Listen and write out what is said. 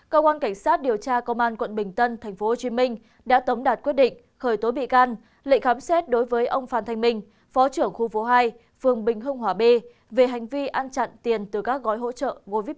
cơ quan cảnh sát điều tra công an quận bình tân tp hcm đã tấm đạt quyết định khởi tối bị can lệnh khám xét đối với ông phan thanh minh phó trưởng khu phố hai phường bình hưng hòa b về hành vi an chặn tiền từ các gói hỗ trợ covid một mươi chín